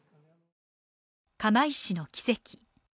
釜石の奇跡。